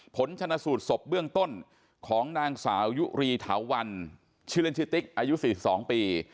ผลชนะสูตรศพเบื้องต้นของนางสาวยุรีเถาวันชื่อเล่นชื่อติ๊กอายุ๔๒ปี